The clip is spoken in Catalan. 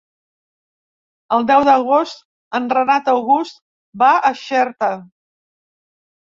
El deu d'agost en Renat August va a Xerta.